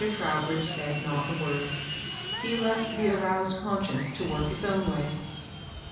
Trowbridge said not a word. He left the aroused conscience to work its own way.